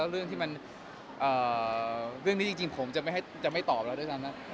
เรื่องที่ถ้าบ้างจริงผมจะไม่โตบแล้วนะ